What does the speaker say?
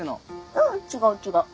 ううん違う違う。